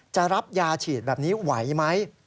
จะรับยาฉีดแบบนี้ไหวไหม